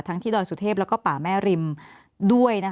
ที่ดอยสุเทพแล้วก็ป่าแม่ริมด้วย